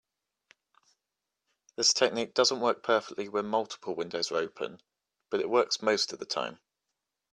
This technique doesn't work perfectly when multiple windows are open, but it works most of the time.